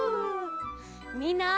みんな。